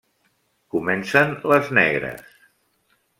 Comencen les negres.